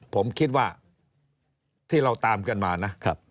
ผมคิดว่าที่เราตามกันมานะครับ